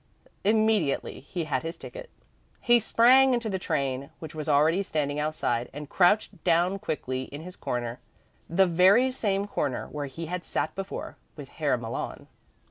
Immediately he had his ticket; he sprang into the train, which was already standing outside, and crouched down quickly in his corner, the very same corner where he had sat before with Herr Malon.